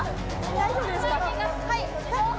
大丈夫ですか？